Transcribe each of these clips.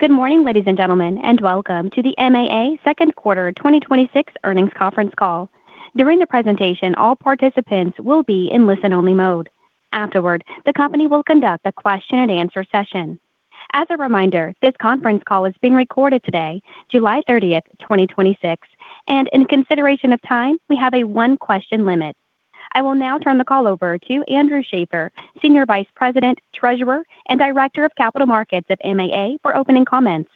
Good morning, ladies and gentlemen, and welcome to the MAA second quarter 2026 earnings conference call. During the presentation, all participants will be in listen-only mode. Afterward, the company will conduct a question and answer session. As a reminder, this conference call is being recorded today, July 30th, 2026, and in consideration of time, we have a one-question limit. I will now turn the call over to Andrew Schaeffer, Senior Vice President, Treasurer, and Director of Capital Markets at MAA for opening comments.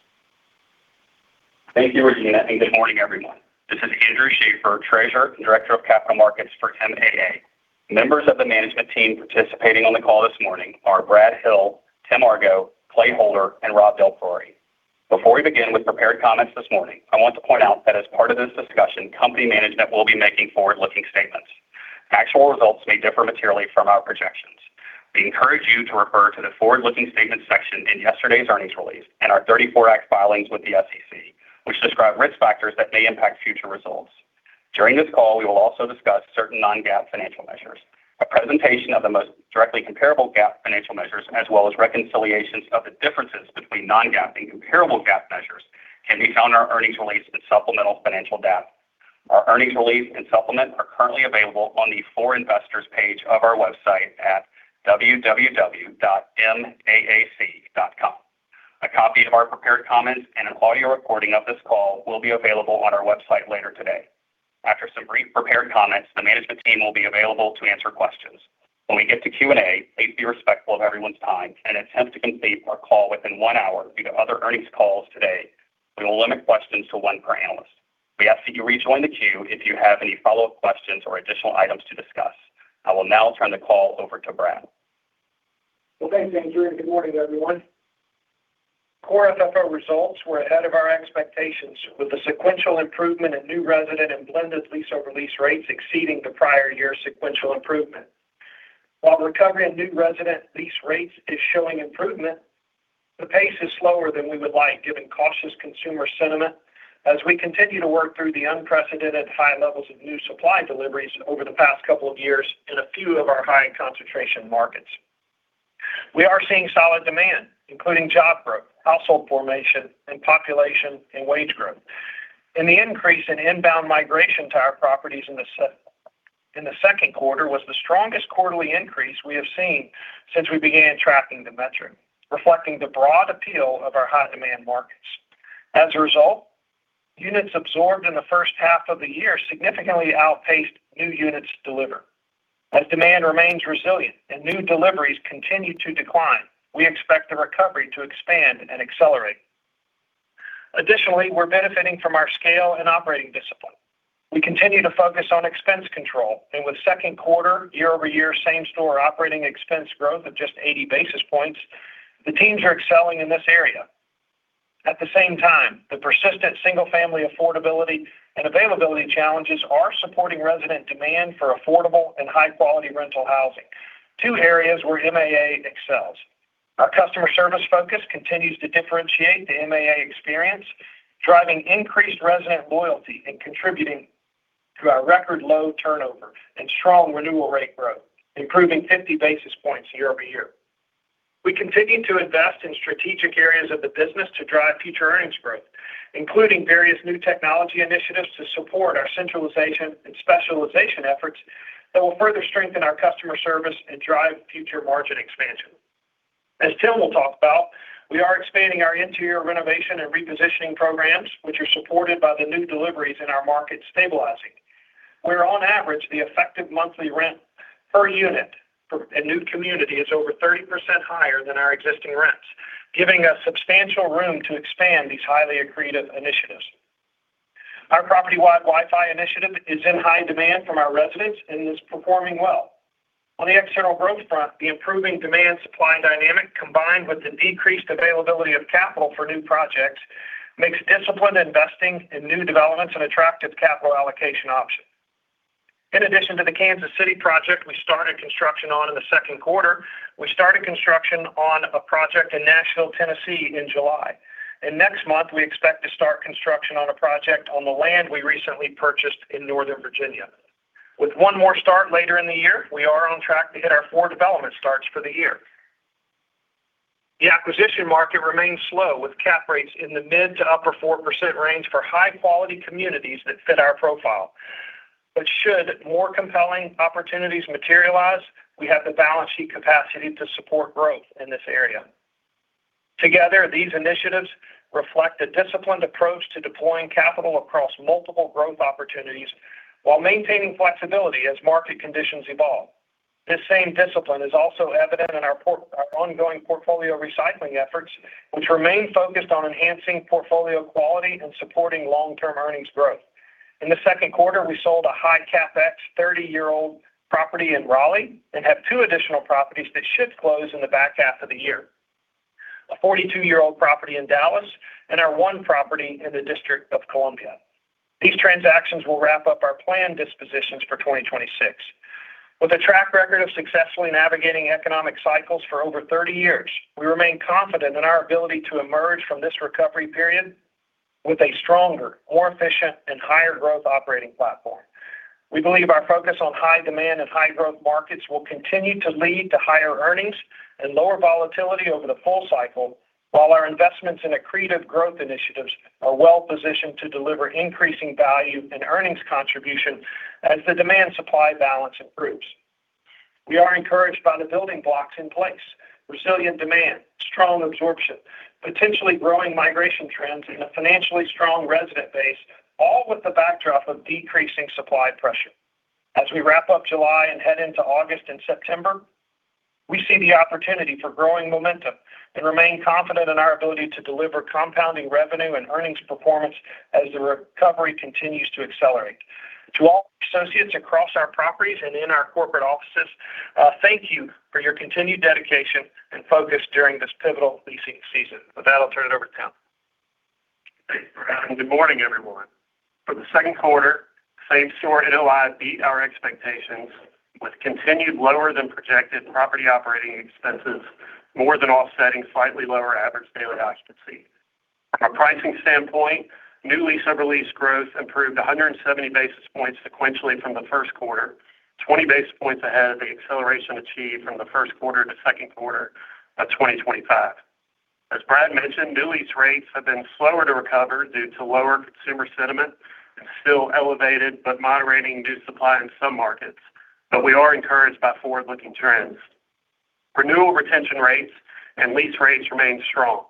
Thank you, Regina, and good morning, everyone. This is Andrew Schaeffer, Treasurer and Director of Capital Markets for MAA. Members of the management team participating on the call this morning are Brad Hill, Tim Argo, Clay Holder, and Rob DelPriore. Before we begin with prepared comments this morning, I want to point out that as part of this discussion, company management will be making forward-looking statements. Actual results may differ materially from our projections. We encourage you to refer to the forward-looking statements section in yesterday's earnings release and our '34 Act filings with the SEC, which describe risk factors that may impact future results. During this call, we will also discuss certain non-GAAP financial measures. A presentation of the most directly comparable GAAP financial measures, as well as reconciliations of the differences between non-GAAP and comparable GAAP measures, can be found in our earnings release and supplemental financial data. Our earnings release and supplement are currently available on the For Investors page of our website at www.maac.com. A copy of our prepared comments and an audio recording of this call will be available on our website later today. After some brief prepared comments, the management team will be available to answer questions. When we get to Q&A, please be respectful of everyone's time. In an attempt to complete our call within one hour due to other earnings calls today, we will limit questions to one per analyst. We ask that you rejoin the queue if you have any follow-up questions or additional items to discuss. I will now turn the call over to Brad. Well, thanks, Andrew, and good morning, everyone. Core FFO results were ahead of our expectations with the sequential improvement in new resident and blended lease-over-lease rates exceeding the prior year sequential improvement. While recovery in new resident lease rates is showing improvement, the pace is slower than we would like given cautious consumer sentiment as we continue to work through the unprecedented high levels of new supply deliveries over the past couple of years in a few of our high concentration markets. We are seeing solid demand, including job growth, household formation, and population, and wage growth, and the increase in inbound migration to our properties in the second quarter was the strongest quarterly increase we have seen since we began tracking the metric, reflecting the broad appeal of our high-demand markets. As a result, units absorbed in the first half of the year significantly outpaced new units delivered. As demand remains resilient and new deliveries continue to decline, we expect the recovery to expand and accelerate. Additionally, we're benefiting from our scale and operating discipline. We continue to focus on expense control, and with second quarter year-over-year same-store operating expense growth of just 80 basis points, the teams are excelling in this area. At the same time, the persistent single-family affordability and availability challenges are supporting resident demand for affordable and high-quality rental housing, two areas where MAA excels. Our customer service focus continues to differentiate the MAA experience, driving increased resident loyalty and contributing to our record low turnover and strong renewal rate growth, improving 50 basis points year-over-year. We continue to invest in strategic areas of the business to drive future earnings growth, including various new technology initiatives to support our centralization and specialization efforts that will further strengthen our customer service and drive future margin expansion. As Tim will talk about, we are expanding our interior renovation and repositioning programs, which are supported by the new deliveries in our market stabilizing, where on average, the effective monthly rent per unit for a new community is over 30% higher than our existing rents, giving us substantial room to expand these highly accretive initiatives. Our property-wide Wi-Fi initiative is in high demand from our residents and is performing well. On the external growth front, the improving demand supply dynamic, combined with the decreased availability of capital for new projects, makes disciplined investing in new developments an attractive capital allocation option. In addition to the Kansas City project we started construction on in the second quarter, we started construction on a project in Nashville, Tennessee, in July. Next month, we expect to start construction on a project on the land we recently purchased in Northern Virginia. With one more start later in the year, we are on track to hit our four development starts for the year. The acquisition market remains slow, with Cap rates in the mid to upper 4% range for high-quality communities that fit our profile. Should more compelling opportunities materialize, we have the balance sheet capacity to support growth in this area. Together, these initiatives reflect a disciplined approach to deploying capital across multiple growth opportunities while maintaining flexibility as market conditions evolve. This same discipline is also evident in our ongoing portfolio recycling efforts, which remain focused on enhancing portfolio quality and supporting long-term earnings growth. In the second quarter, we sold a high CapEx 30-year-old property in Raleigh and have two additional properties that should close in the back half of the year, a 42-year-old property in Dallas and our one property in the District of Columbia. These transactions will wrap up our planned dispositions for 2026. With a track record of successfully navigating economic cycles for over 30 years, we remain confident in our ability to emerge from this recovery period with a stronger, more efficient, and higher growth operating platform. We believe our focus on high demand and high growth markets will continue to lead to higher earnings and lower volatility over the full cycle, while our investments in accretive growth initiatives are well positioned to deliver increasing value and earnings contribution as the demand-supply balance improves. We are encouraged by the building blocks in place, resilient demand, strong absorption, potentially growing migration trends, and a financially strong resident base, all with the backdrop of decreasing supply pressure. As we wrap up July and head into August and September, we see the opportunity for growing momentum and remain confident in our ability to deliver compounding revenue and earnings performance as the recovery continues to accelerate. To all associates across our properties and in our corporate offices, thank you for your continued dedication and focus during this pivotal leasing season. With that, I'll turn it over to Tim. Thanks, Brad, and good morning, everyone. For the second quarter, same store NOI beat our expectations with continued lower than projected property operating expenses, more than offsetting slightly lower average daily occupancy. From a pricing standpoint, new lease, sublease growth improved 170 basis points sequentially from the first quarter, 20 basis points ahead of the acceleration achieved from the first quarter to second quarter of 2025. As Brad mentioned, new lease rates have been slower to recover due to lower consumer sentiment and still elevated but moderating new supply in some markets. We are encouraged by forward-looking trends. Renewal retention rates and lease rates remain strong.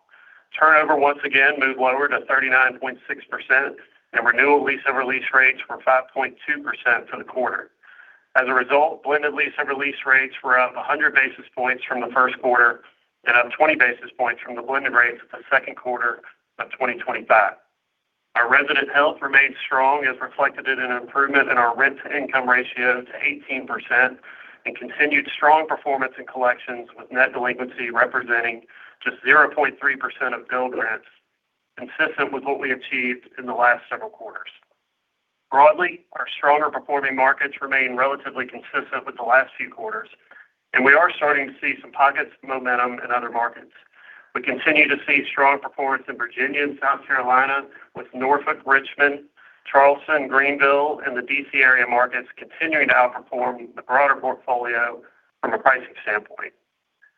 Turnover once again moved lower to 39.6%, and renewal lease and release rates were 5.2% for the quarter. As a result, blended lease and release rates were up 100 basis points from the first quarter and up 20 basis points from the blended rates of the second quarter of 2025. Our resident health remained strong, as reflected in an improvement in our rent-to-income ratio to 18% and continued strong performance in collections, with net delinquency representing just 0.3% of bill grants, consistent with what we achieved in the last several quarters. Broadly, our stronger performing markets remain relatively consistent with the last few quarters, and we are starting to see some pockets of momentum in other markets. We continue to see strong performance in Virginia and South Carolina with Norfolk, Richmond, Charleston, Greenville, and the D.C. area markets continuing to outperform the broader portfolio from a pricing standpoint.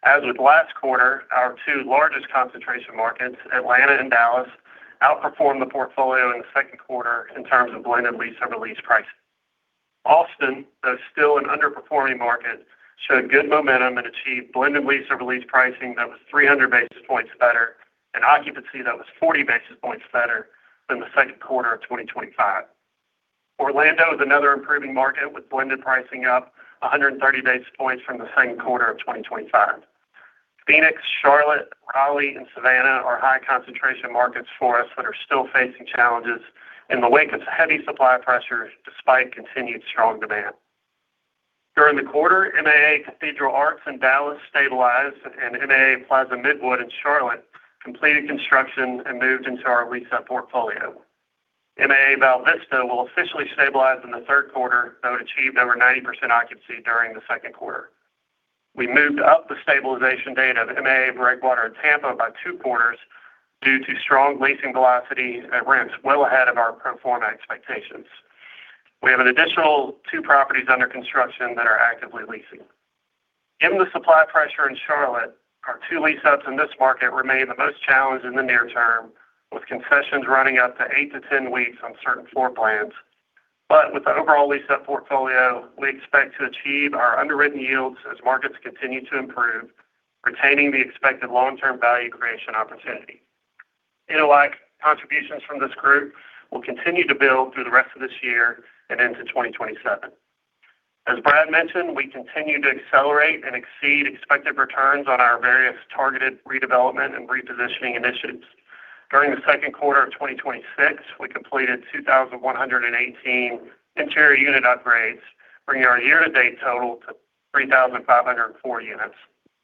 As with last quarter, our two largest concentration markets, Atlanta and Dallas, outperformed the portfolio in the second quarter in terms of blended lease or release pricing. Austin, though still an underperforming market, showed good momentum and achieved blended lease or release pricing that was 300 basis points better and occupancy that was 40 basis points better than the second quarter of 2025. Orlando is another improving market with blended pricing up 130 basis points from the second quarter of 2025. Phoenix, Charlotte, Raleigh, and Savannah are high concentration markets for us that are still facing challenges in the wake of heavy supply pressures despite continued strong demand. During the quarter, MAA Cathedral Arts in Dallas stabilized and MAA Plaza Midwood in Charlotte completed construction and moved into our lease-up portfolio. MAA Val Vista will officially stabilize in the third quarter, though it achieved over 90% occupancy during the second quarter. We moved up the stabilization date of MAA Breakwater in Tampa by two quarters due to strong leasing velocity and rents well ahead of our pro forma expectations. We have an additional two properties under construction that are actively leasing. Given the supply pressure in Charlotte, our two lease-ups in this market remain the most challenged in the near term, with concessions running up to eight to 10 weeks on certain floor plans. With the overall lease-up portfolio, we expect to achieve our underwritten yields as markets continue to improve, retaining the expected long-term value creation opportunity. NOI contributions from this group will continue to build through the rest of this year and into 2027. As Brad mentioned, we continue to accelerate and exceed expected returns on our various targeted redevelopment and repositioning initiatives. During the second quarter of 2026, we completed 2,118 interior unit upgrades, bringing our year-to-date total to 3,504 units,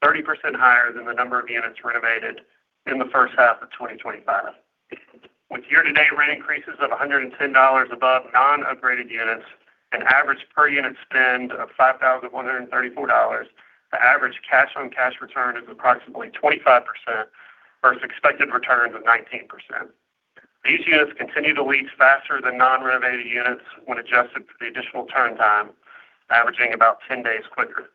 30% higher than the number of units renovated in the first half of 2025. With year-to-date rent increases of $110 above non-upgraded units, an average per unit spend of $5,134, the average cash-on-cash return is approximately 25% versus expected returns of 19%. These units continue to lease faster than non-renovated units when adjusted for the additional turn time, averaging about 10 days quicker.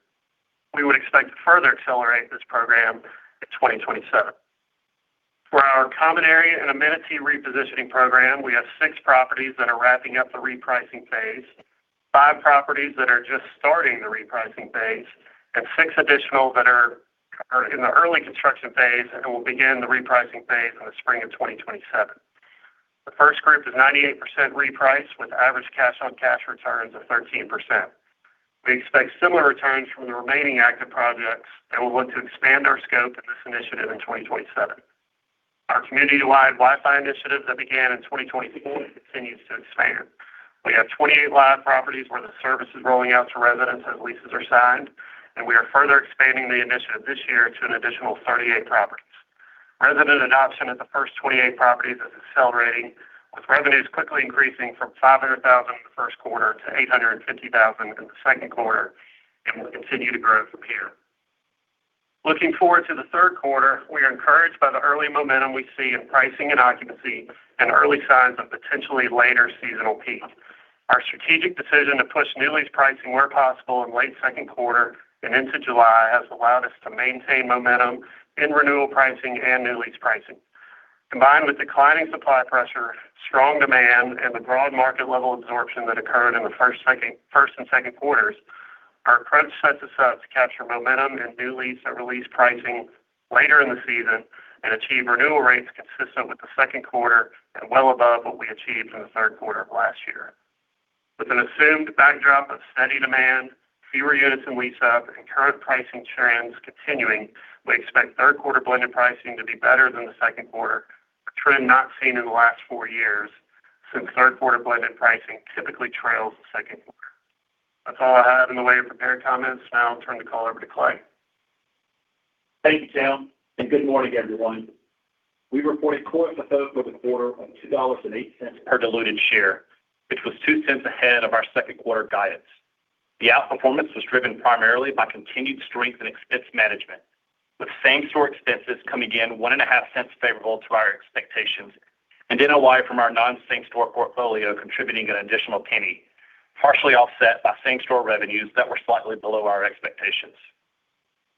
We would expect to further accelerate this program in 2027. For our common area and amenity repositioning program, we have six properties that are wrapping up the repricing phase, five properties that are just starting the repricing phase, and six additional that are in the early construction phase and will begin the repricing phase in the spring of 2027. The first group is 98% repriced with average cash-on-cash returns of 13%. We expect similar returns from the remaining active projects, and we look to expand our scope of this initiative in 2027. Our community-wide Wi-Fi initiative that began in 2024 continues to expand. We have 28 live properties where the service is rolling out to residents as leases are signed, and we are further expanding the initiative this year to an additional 38 properties. Resident adoption at the first 28 properties is accelerating, with revenues quickly increasing from $500,000 in the first quarter to $850,000 in the second quarter and will continue to grow from here. Looking forward to the third quarter, we are encouraged by the early momentum we see in pricing and occupancy and early signs of potentially later seasonal peak. Our strategic decision to push new lease pricing where possible in late second quarter and into July has allowed us to maintain momentum in renewal pricing and new lease pricing. Combined with declining supply pressure, strong demand, and the broad market level absorption that occurred in the first and second quarters, our approach sets us up to capture momentum in new lease and release pricing later in the season and achieve renewal rates consistent with the second quarter and well above what we achieved in the third quarter of last year. With an assumed backdrop of steady demand, fewer units in lease-up, and current pricing trends continuing, we expect third quarter blended pricing to be better than the second quarter, a trend not seen in the last four years since third quarter blended pricing typically trails the second quarter. That's all I have in the way of prepared comments. I'll turn the call over to Clay. Thank you, Tim, and good morning, everyone. We reported Core FFO for the quarter of $2.08 per diluted share, which was $0.02 ahead of our second quarter guidance. The outperformance was driven primarily by continued strength in expense management, with same store expenses coming in $0.015 favorable to our expectations and NOI from our non-same store portfolio contributing an additional $0.01, partially offset by same store revenues that were slightly below our expectations.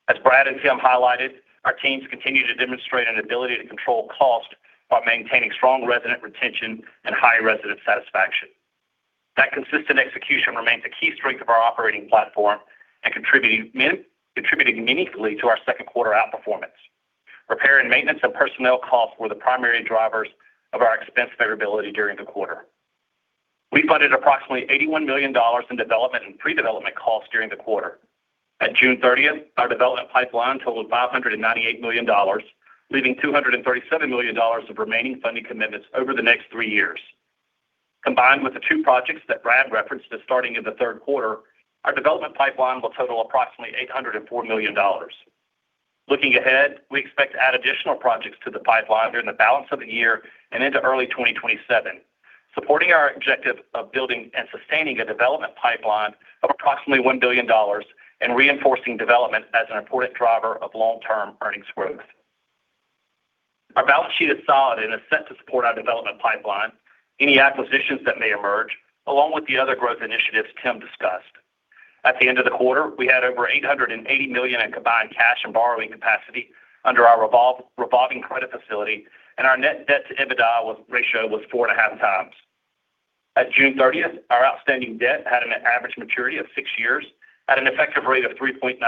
As Brad and Tim highlighted, our teams continue to demonstrate an ability to control cost while maintaining strong resident retention and high resident satisfaction. That consistent execution remains a key strength of our operating platform and contributing meaningfully to our second quarter outperformance. Repair and maintenance and personnel costs were the primary drivers of our expense favorability during the quarter. We funded approximately $81 million in development and pre-development costs during the quarter. At June 30th, our development pipeline totaled $598 million, leaving $237 million of remaining funding commitments over the next three years. Combined with the two projects that Brad referenced as starting in the third quarter, our development pipeline will total approximately $804 million. Looking ahead, we expect to add additional projects to the pipeline during the balance of the year and into early 2027, supporting our objective of building and sustaining a development pipeline of approximately $1 billion and reinforcing development as an important driver of long-term earnings growth. Our balance sheet is solid and is set to support our development pipeline, any acquisitions that may emerge, along with the other growth initiatives Tim discussed. At the end of the quarter, we had over $880 million in combined cash and borrowing capacity under our revolving credit facility, and our net debt to EBITDA ratio was 4.5x. At June 30th, our outstanding debt had an average maturity of six years at an effective rate of 3.9%.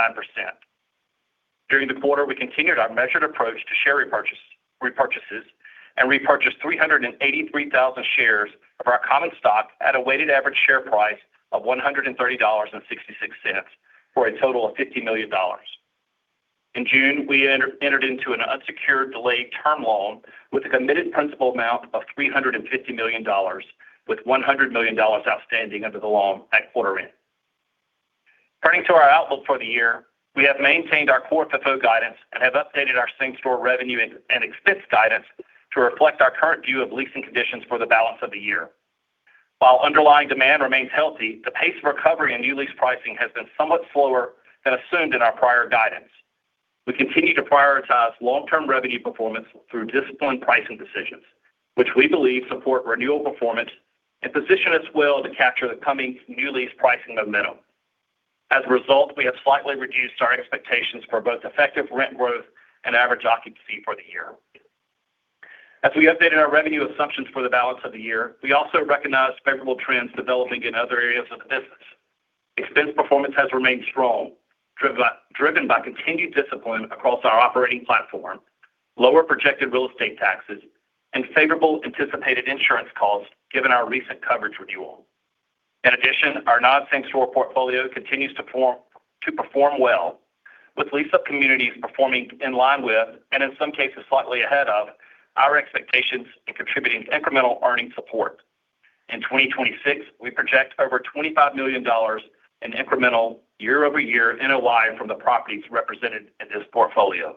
During the quarter, we continued our measured approach to share repurchases and repurchased 383,000 shares of our common stock at a weighted average share price of $130.66 for a total of $50 million. In June, we entered into an unsecured delayed term loan with a committed principal amount of $350 million, with $100 million outstanding under the loan at quarter end. Turning to our outlook for the year, we have maintained our Core FFO guidance and have updated our same store revenue and expense guidance to reflect our current view of leasing conditions for the balance of the year. While underlying demand remains healthy, the pace of recovery in new lease pricing has been somewhat slower than assumed in our prior guidance. We continue to prioritize long-term revenue performance through disciplined pricing decisions, which we believe support renewal performance and position us well to capture the coming new lease pricing momentum. As a result, we have slightly reduced our expectations for both effective rent growth and average occupancy for the year. As we updated our revenue assumptions for the balance of the year, we also recognized favorable trends developing in other areas of the business. Expense performance has remained strong, driven by continued discipline across our operating platform, lower projected real estate taxes, and favorable anticipated insurance costs given our recent coverage renewal. Additionally, our non-same store portfolio continues to perform well with lease-up communities performing in line with, and in some cases, slightly ahead of our expectations in contributing incremental earning support. In 2026, we project over $25 million in incremental year-over-year NOI from the properties represented in this portfolio.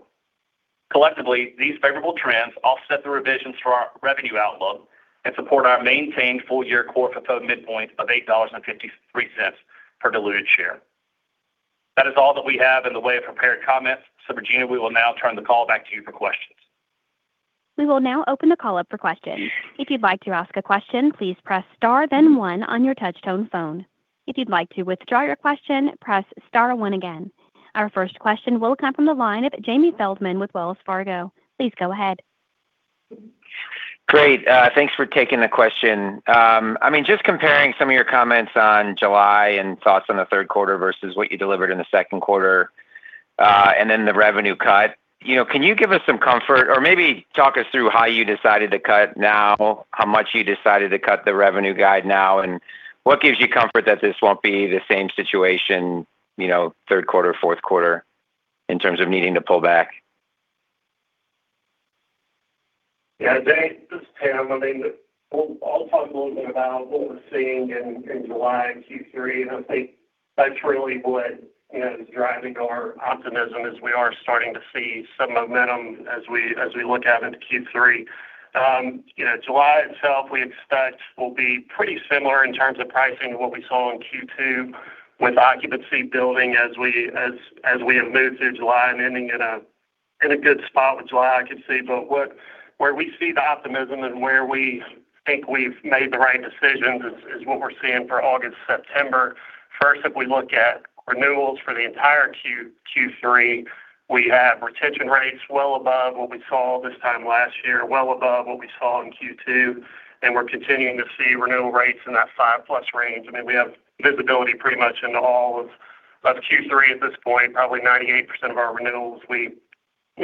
Collectively, these favorable trends offset the revisions for our revenue outlook and support our maintained full year Core FFO midpoint of $8.53 per diluted share. That is all that we have in the way of prepared comments. Regina, we will now turn the call back to you for questions. We will now open the call up for questions. If you'd like to ask a question, please press star then one on your touch tone phone. If you'd like to withdraw your question, press star one again. Our first question will come from the line of Jamie Feldman with Wells Fargo. Please go ahead. Great. Thanks for taking the question. Just comparing some of your comments on July and thoughts on the third quarter versus what you delivered in the second quarter, the revenue cut. Can you give us some comfort or maybe talk us through how you decided to cut now, how much you decided to cut the revenue guide now, and what gives you comfort that this won't be the same situation third quarter, fourth quarter in terms of needing to pull back? Jamie, this is Tim. I'll talk a little bit about what we're seeing in July and Q3. I think that's really what is driving our optimism as we are starting to see some momentum as we look out into Q3. July itself, we expect will be pretty similar in terms of pricing to what we saw in Q2 with occupancy building as we have moved through July and ending in a good spot with July occupancy. Where we see the optimism and where we think we've made the right decisions is what we're seeing for August, September. First, if we look at renewals for the entire Q3, we have retention rates well above what we saw this time last year, well above what we saw in Q2, and we're continuing to see renewal rates in that five plus range. We have visibility pretty much into all of Q3 at this point. Probably 98% of our renewals we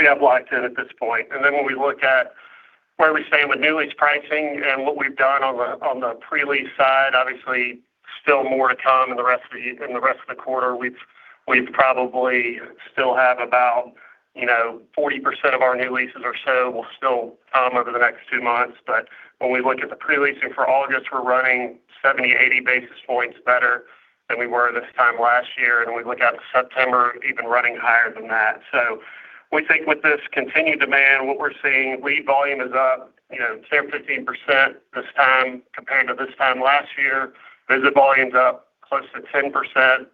have locked in at this point. When we look at where we stand with new lease pricing and what we've done on the pre-lease side, obviously still more to come in the rest of the quarter. We probably still have about 40% of our new leases or so will still come over the next two months. When we look at the pre-leasing for August, we're running 70, 80 basis points better than we were this time last year. We look out to September, even running higher than that. We think with this continued demand, what we're seeing, lead volume is up 10%-15% this time compared to this time last year. Visit volume's up close to 10%.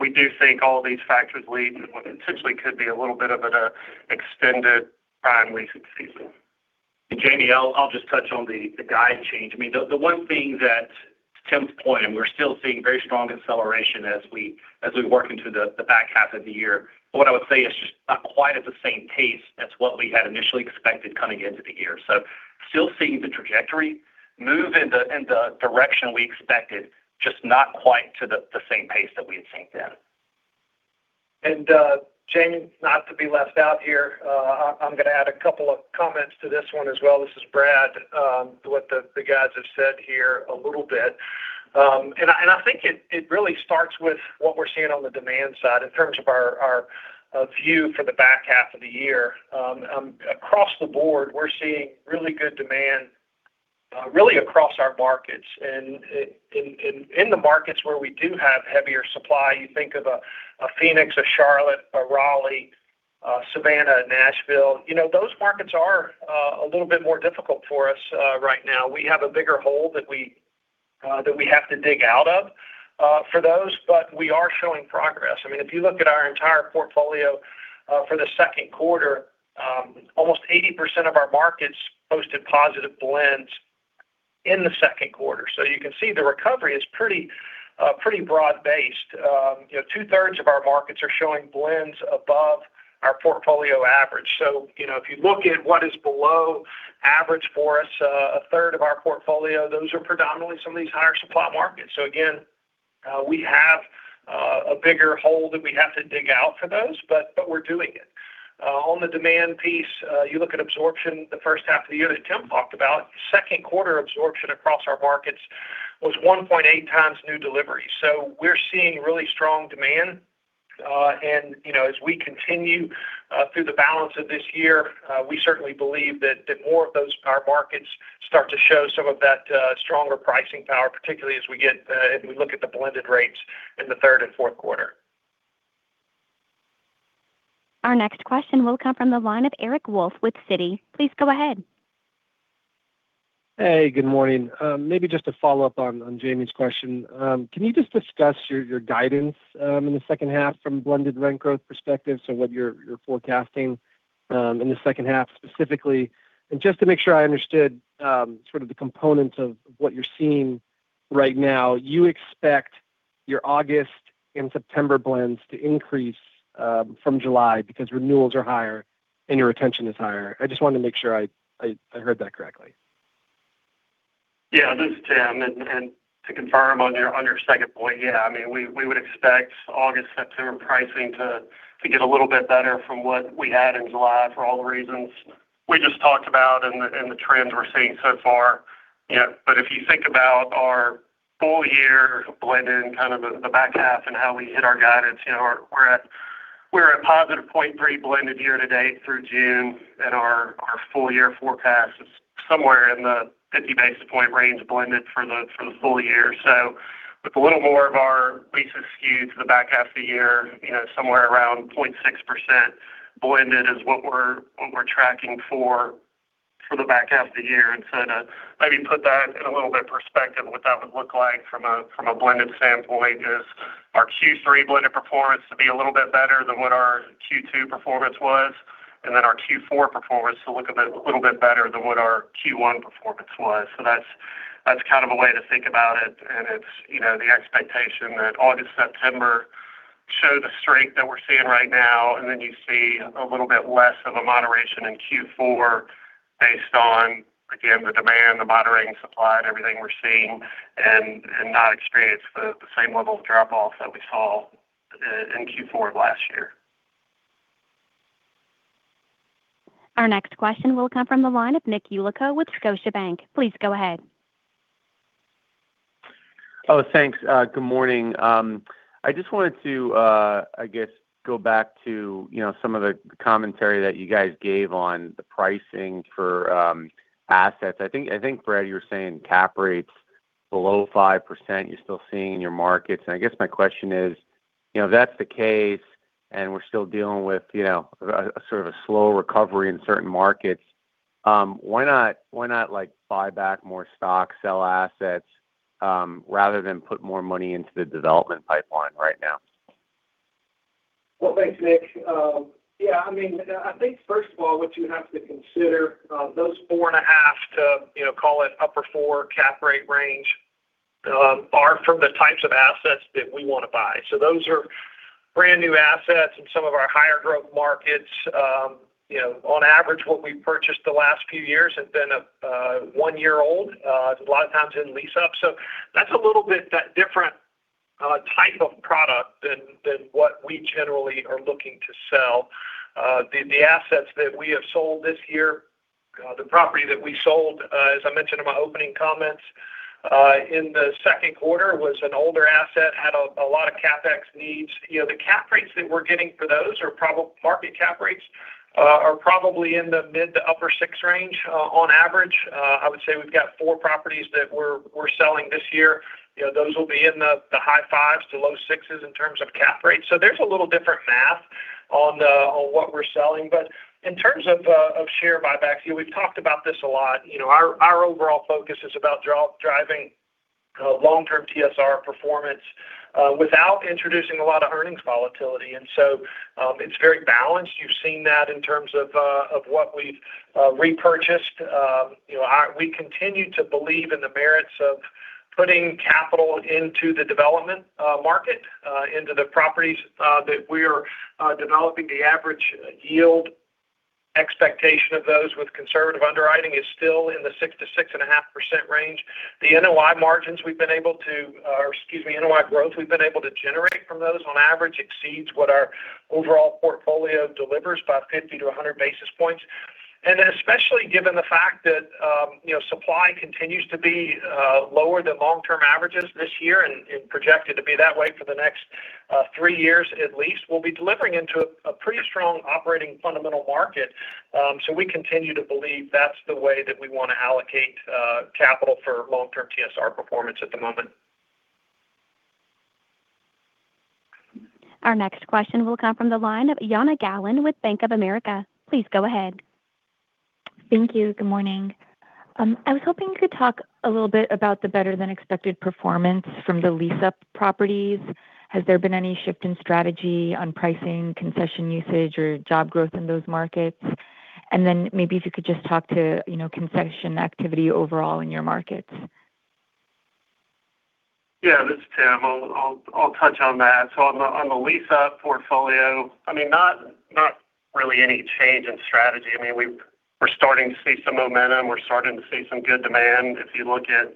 We do think all these factors lead to what potentially could be a little bit of an extended prime leasing season. Jamie, I'll just touch on the guide change. The one thing that, to Tim's point, we're still seeing very strong acceleration as we work into the back half of the year. What I would say it's just not quite at the same pace as what we had initially expected coming into the year. Still seeing the trajectory move in the direction we expected, just not quite to the same pace that we had synced in. Jamie, not to be left out here, I'm going to add a couple of comments to this one as well. This is Brad. What the guys have said here a little bit. I think it really starts with what we're seeing on the demand side in terms of our view for the back half of the year. Across the board, we're seeing really good demand really across our markets. In the markets where we do have heavier supply, you think of a Phoenix, a Charlotte, a Raleigh, Savannah, Nashville. Those markets are a little bit more difficult for us right now. We have a bigger hole that we have to dig out of for those, but we are showing progress. If you look at our entire portfolio for the second quarter, almost 80% of our markets posted positive blends in the second quarter. You can see the recovery is pretty broad-based. Two-thirds of our markets are showing blends above our portfolio average. If you look at what is below average for us, a third of our portfolio, those are predominantly some of these higher supply markets. Again, we have a bigger hole that we have to dig out for those, but we're doing it. On the demand piece, you look at absorption the first half of the year that Tim talked about, second quarter absorption across our markets was 1.8x new delivery. We're seeing really strong demand. As we continue through the balance of this year, we certainly believe that more of our markets start to show some of that stronger pricing power, particularly as we look at the blended rates in the third and fourth quarter. Our next question will come from the line of Eric Wolfe with Citi. Please go ahead. Hey, good morning. Maybe just to follow up on Jamie's question. Can you just discuss your guidance in the second half from a blended rent growth perspective? What you're forecasting in the second half specifically, and just to make sure I understood sort of the components of what you're seeing right now. You expect your August and September blends to increase from July because renewals are higher and your retention is higher. I just wanted to make sure I heard that correctly. This is Tim. To confirm on your second point, we would expect August, September pricing to get a little bit better from what we had in July for all the reasons we just talked about and the trends we are seeing so far. If you think about our full year blended in kind of the back half and how we hit our guidance, we are at positive 0.3 blended year to date through June, and our full year forecast is somewhere in the 50 basis point range blended for the full year. With a little more of our leases skewed to the back half of the year, somewhere around 0.6% blended is what we are tracking for the back half of the year. To maybe put that in a little bit perspective, what that would look like from a blended standpoint is our Q3 blended performance to be a little bit better than what our Q2 performance was. Our Q4 performance to look a little bit better than what our Q1 performance was. That is kind of a way to think about it is the expectation that August, September show the strength that we are seeing right now. You see a little bit less of a moderation in Q4 based on, again, the demand, the moderating supply, and everything we are seeing, and not experience the same level of drop-offs that we saw in Q4 of last year. Our next question will come from the line of Nicholas Yulico with Scotiabank. Please go ahead. Thanks. Good morning. I just wanted to go back to some of the commentary that you guys gave on the pricing for assets. I think, Brad, you were saying cap rates below 5%, you are still seeing in your markets. I guess my question is, if that is the case, we are still dealing with a sort of a slow recovery in certain markets, why not buy back more stock, sell assets, rather than put more money into the development pipeline right now? Well, thanks, Nick. I think first of all, what you have to consider, those four and a half to call it upper four cap rate range, are from the types of assets that we want to buy. Those are brand new assets in some of our higher growth markets. On average, what we've purchased the last few years has been a one-year-old, a lot of times in lease-up. That's a little bit different type of product than what we generally are looking to sell. The assets that we have sold this year, the property that we sold, as I mentioned in my opening comments, in the second quarter was an older asset, had a lot of CapEx needs. The cap rates that we're getting for those, market cap rates, are probably in the mid to upper six range on average. I would say we've got four properties that we're selling this year. Those will be in the high fives to low sixes in terms of cap rates. There's a little different math on what we're selling. In terms of share buybacks, we've talked about this a lot. Our overall focus is about driving long-term TSR performance without introducing a lot of earnings volatility. It's very balanced. You've seen that in terms of what we've repurchased. We continue to believe in the merits of putting capital into the development market, into the properties that we are developing. The average yield expectation of those with conservative underwriting is still in the 6%-6.5% range. The NOI margins we've been able to Excuse me, NOI growth we've been able to generate from those, on average, exceeds what our overall portfolio delivers by 50 to 100 basis points. Especially given the fact that supply continues to be lower than long-term averages this year, and projected to be that way for the next three years at least. We'll be delivering into a pretty strong operating fundamental market. We continue to believe that's the way that we want to allocate capital for long-term TSR performance at the moment. Our next question will come from the line of Jana Galan with Bank of America. Please go ahead. Thank you. Good morning. I was hoping you could talk a little bit about the better than expected performance from the lease-up properties. Has there been any shift in strategy on pricing, concession usage, or job growth in those markets? Maybe if you could just talk to concession activity overall in your markets. This is Tim. I'll touch on that. On the lease-up portfolio, not really any change in strategy. We're starting to see some momentum. We're starting to see some good demand. If you look at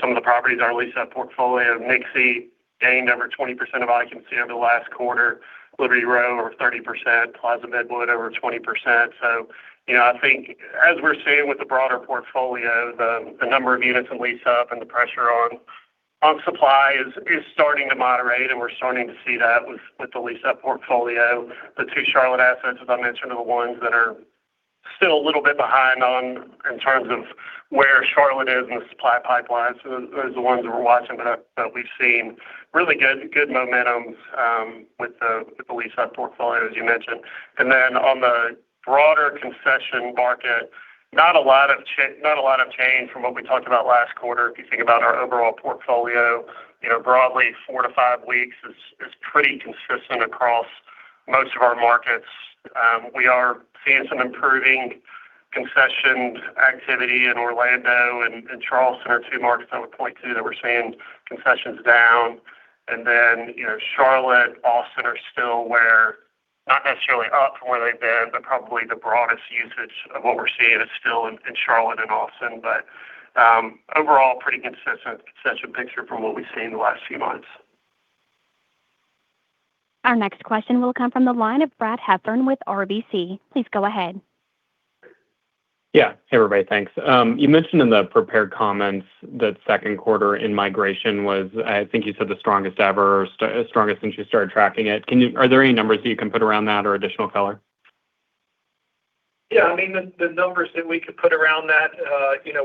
some of the properties in our lease-up portfolio, MAA Nixie gained over 20% of occupancy over the last quarter. MAA Liberty Row over 30%. MAA Plaza Midwood over 20%. I think as we're seeing with the broader portfolio, the number of units in lease-up and the pressure on supply is starting to moderate, and we're starting to see that with the lease-up portfolio. The two Charlotte assets, as I mentioned, are the ones that are still a little bit behind on in terms of where Charlotte is in the supply pipeline. Those are the ones that we're watching, but we've seen really good momentum with the lease-up portfolio, as you mentioned. On the broader concession market, not a lot of change from what we talked about last quarter. If you think about our overall portfolio, broadly four to five weeks is pretty consistent across most of our markets. We are seeing some improving concession activity in Orlando and Charleston are two markets I would point to that we're seeing concessions down. Charlotte, Austin are still where, not necessarily up from where they've been, but probably the broadest usage of what we're seeing is still in Charlotte and Austin. Overall, pretty consistent picture from what we've seen in the last few months. Our next question will come from the line of Brad Heffern with RBC. Please go ahead. Yeah. Hey, everybody. Thanks. You mentioned in the prepared comments that second quarter in-migration was, I think you said the strongest ever, or strongest since you started tracking it. Are there any numbers that you can put around that or additional color? Yeah. The numbers that we could put around that,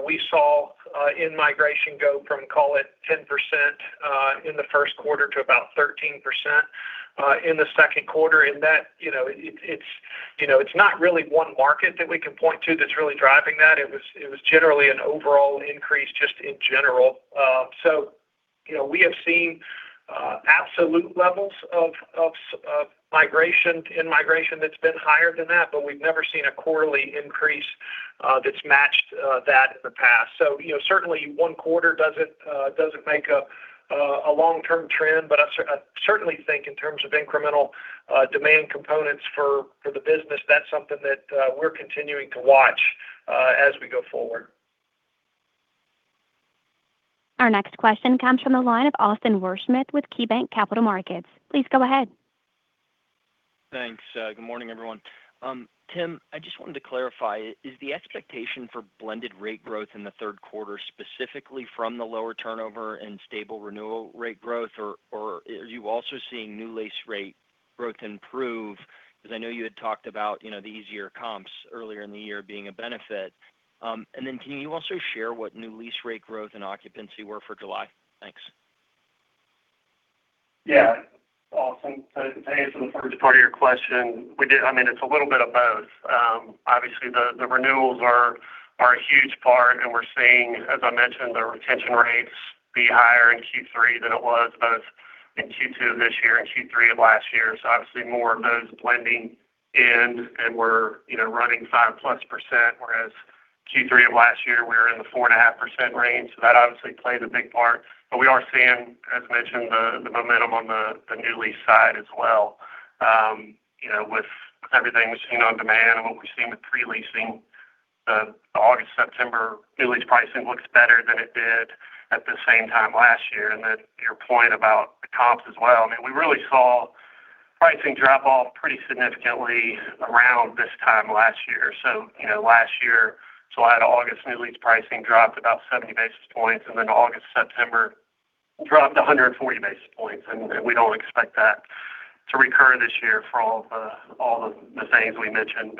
we saw in-migration go from, call it 10% in the first quarter to about 13% in the second quarter. It's not really one market that we can point to that's really driving that. It was generally an overall increase just in general. We have seen absolute levels of in-migration that's been higher than that, but we've never seen a quarterly increase that's matched that in the past. Certainly one quarter doesn't make a long-term trend. I certainly think in terms of incremental demand components for the business, that's something that we're continuing to watch as we go forward. Our next question comes from the line of Austin Wurschmidt with KeyBanc Capital Markets. Please go ahead. Thanks. Good morning, everyone. Tim, I just wanted to clarify, is the expectation for blended rate growth in the third quarter, specifically from the lower turnover and stable renewal rate growth, or is you also seeing new lease rate growth improve? I know you had talked about the easier comps earlier in the year being a benefit. Can you also share what new lease rate growth and occupancy were for July? Thanks. Austin, to answer the first part of your question, it's a little bit of both. Obviously, the renewals are a huge part, and we're seeing, as I mentioned, the retention rates be higher in Q3 than it was both in Q2 of this year and Q3 of last year. Obviously more of those blending in, and we're running 5%+, whereas Q3 of last year we were in the 4.5% range. That obviously played a big part. We are seeing, as mentioned, the momentum on the new lease side as well. With everything we've seen on demand and what we've seen with pre-leasing, the August, September new lease pricing looks better than it did at the same time last year. Your point about the comps as well, we really saw pricing drop off pretty significantly around this time last year. Last year, July to August, new leads pricing dropped about 70 basis points, August to September dropped 140 basis points. We don't expect that to recur this year for all of the things we mentioned.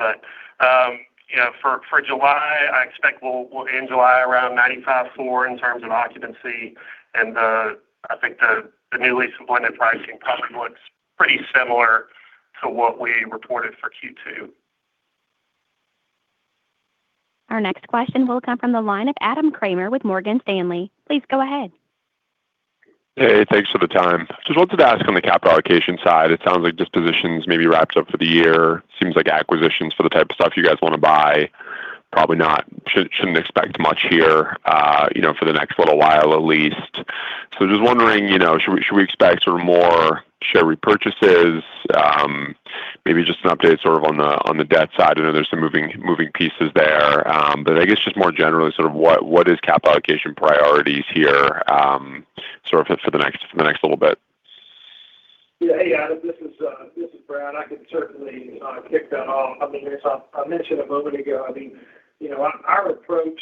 For July, I expect we'll end July around 95.4 in terms of occupancy. I think the new lease employment pricing probably looks pretty similar to what we reported for Q2. Our next question will come from the line of Adam Kramer with Morgan Stanley. Please go ahead. Hey, thanks for the time. Just wanted to ask on the capital allocation side, it sounds like dispositions may be wrapped up for the year. Seems like acquisitions for the type of stuff you guys want to buy, probably shouldn't expect much here for the next little while at least. Just wondering, should we expect sort of more share repurchases? Maybe just an update sort of on the debt side. I know there's some moving pieces there. I guess just more generally, sort of what is capital allocation priorities here sort of for the next little bit? Hey, Adam, this is Brad. I can certainly kick that off. As I mentioned a moment ago, our approach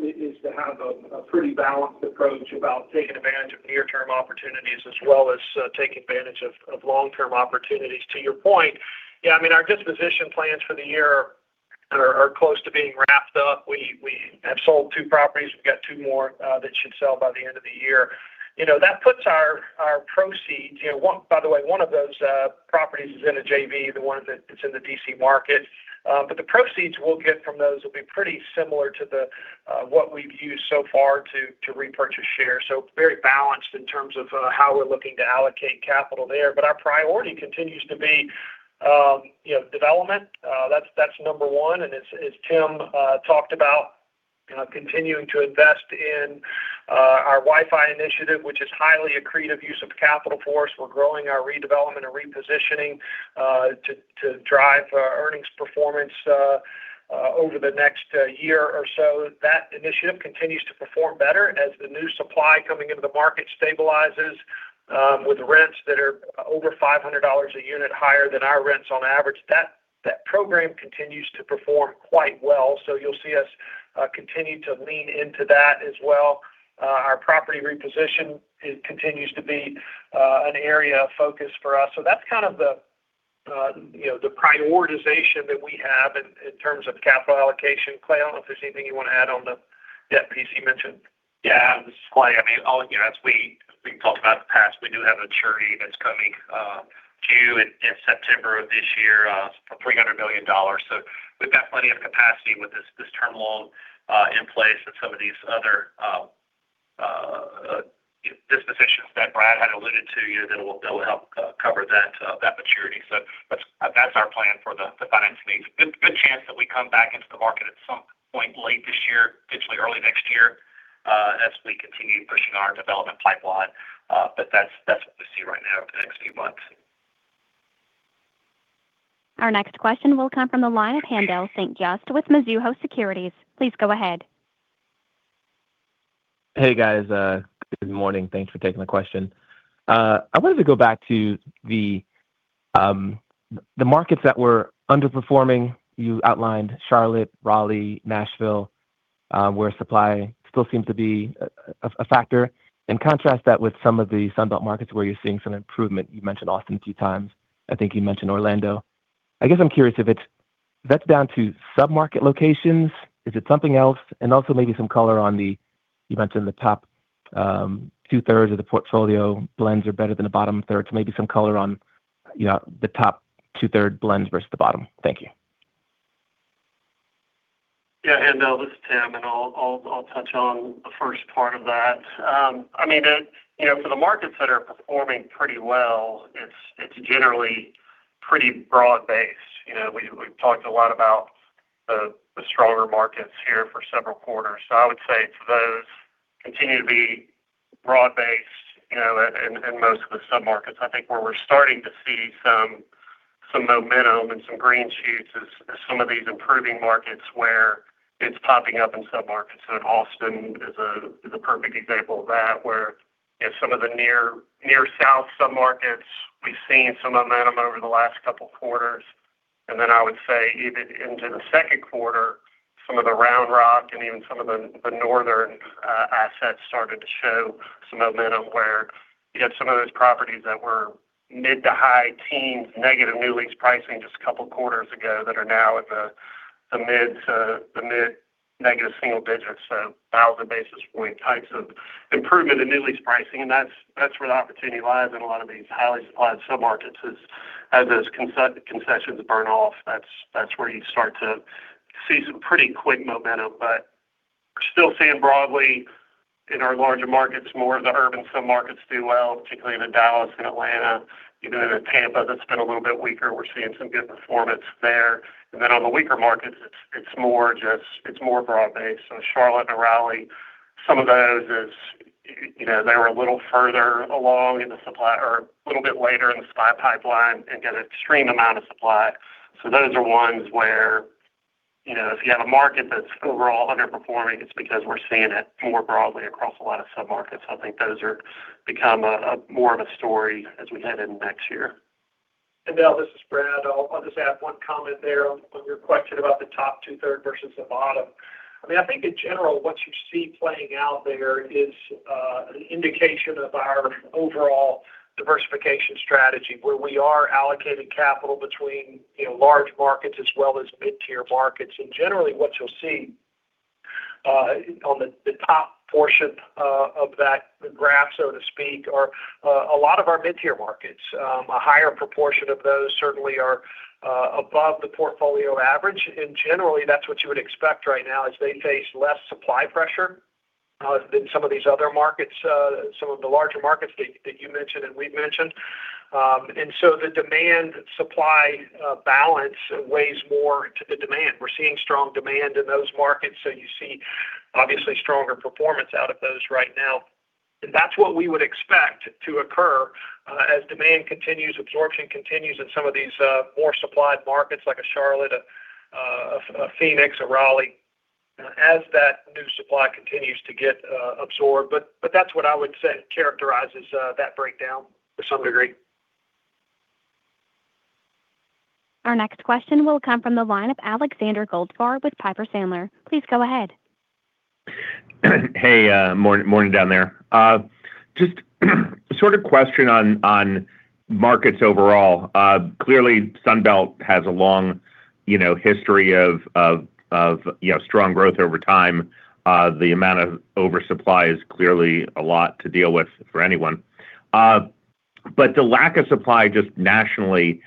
is to have a pretty balanced approach about taking advantage of near-term opportunities as well as taking advantage of long-term opportunities. To your point, our disposition plans for the year are close to being wrapped up. We have sold two properties. We've got two more that should sell by the end of the year. That puts our proceeds. By the way, one of those properties is in a JV, the one that's in the D.C. market. The proceeds we'll get from those will be pretty similar to what we've used so far to repurchase shares. Very balanced in terms of how we're looking to allocate capital there. Our priority continues to be development. That's number one, as Tim talked about, continuing to invest in our Wi-Fi initiative, which is highly accretive use of capital for us. We're growing our redevelopment and repositioning to drive earnings performance over the next year or so. That initiative continues to perform better as the new supply coming into the market stabilizes with rents that are over $500 a unit higher than our rents on average. That program continues to perform quite well. You'll see us continue to lean into that as well. Our property reposition continues to be an area of focus for us. That's kind of the prioritization that we have in terms of capital allocation. Clay, I don't know if there's anything you want to add on the debt piece you mentioned. This is Clay. As we've talked about in the past, we do have a maturity that's coming due in September of this year for $300 million. We've got plenty of capacity with this term loan in place and some of these other dispositions that Brad had alluded to, that'll help cover that maturity. That's our plan for the financing needs. Good chance that we come back into the market at some point late this year, potentially early next year, as we continue pushing our development pipeline. That's what we see right now for the next few months. Our next question will come from the line of Haendel St. Juste with Mizuho Securities. Please go ahead. Hey, guys. Good morning. Thanks for taking the question. I wanted to go back to the markets that were underperforming. You outlined Charlotte, Raleigh, Nashville, where supply still seems to be a factor. Contrast that with some of the Sun Belt markets where you're seeing some improvement. You mentioned Austin a few times. I think you mentioned Orlando. I guess I'm curious if that's down to sub-market locations. Is it something else? Also maybe some color on the, you mentioned the top two-thirds of the portfolio blends are better than the bottom third. Maybe some color on the top two-third blends versus the bottom. Thank you. Yeah, Haendel, this is Tim. I'll touch on the first part of that. For the markets that are performing pretty well, it's generally pretty broad-based. We've talked a lot about the stronger markets here for several quarters. I would say it's those continue to be broad-based in most of the sub-markets. I think where we're starting to see some momentum and some green shoots is some of these improving markets where it's popping up in sub-markets. In Austin is a perfect example of that, where in some of the near south sub-markets, we've seen some momentum over the last couple of quarters. I would say even into the second quarter. Some of the Round Rock and even some of the northern assets started to show some momentum where you had some of those properties that were mid to high teens negative new lease pricing just a couple quarters ago that are now at the mid negative single digits. 1,000 basis point types of improvement in new lease pricing, and that's where the opportunity lies in a lot of these highly supplied sub-markets, as those concessions burn off. That's where you start to see some pretty quick momentum. Still seeing broadly in our larger markets, more of the urban sub-markets do well, particularly the Dallas and Atlanta, even in a Tampa that's been a little bit weaker. We're seeing some good performance there. On the weaker markets, it's more broad based. The Charlotte and the Raleigh, some of those as they were a little further along in the supply or a little bit later in the supply pipeline and get an extreme amount of supply. Those are ones where, if you have a market that's overall underperforming, it's because we're seeing it more broadly across a lot of sub-markets. I think those become more of a story as we head into next year. Haendel, this is Brad. I'll just add one comment there on your question about the top two third versus the bottom. I think in general, what you see playing out there is an indication of our overall diversification strategy where we are allocating capital between large markets as well as mid-tier markets. Generally, what you'll see on the top portion of that graph, so to speak, are a lot of our mid-tier markets. A higher proportion of those certainly are above the portfolio average. Generally, that's what you would expect right now as they face less supply pressure than some of these other markets, some of the larger markets that you mentioned and we've mentioned. The demand-supply balance weighs more to the demand. We're seeing strong demand in those markets, so you see obviously stronger performance out of those right now. That's what we would expect to occur as demand continues, absorption continues in some of these more supplied markets like a Charlotte, a Phoenix, a Raleigh as that new supply continues to get absorbed. That's what I would say characterizes that breakdown to some degree. Our next question will come from the line of Alexander Goldfarb with Piper Sandler. Please go ahead. Hey, morning down there. Just a sort of question on markets overall. Clearly Sunbelt has a long history of strong growth over time. The amount of oversupply is clearly a lot to deal with for anyone. The lack of supply just nationally,